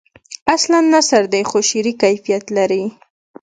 اصلاً نثر دی خو شعری کیفیت لري.